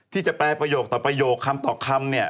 ที่จะแปลประโยคต่อประโยคคำต่อคำเนี่ย